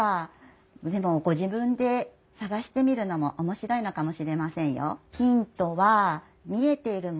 でもご自分で探してみるのも面白いのかもしれませんよ。